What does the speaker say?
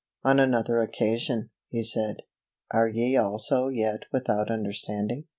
On another occasion, He said, "Are ye also yet without understanding?"